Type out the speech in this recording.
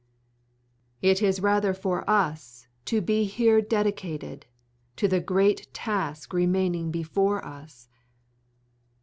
It is rather for us to be here dedicated to the great task remaining before us.